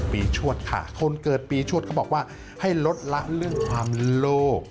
ชวดค่ะคนเกิดปีชวดเขาบอกว่าให้ลดละเรื่องความโลก